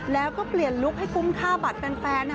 แล้วก็เปลี่ยนลุคให้คุ้มค่าบัตรแฟน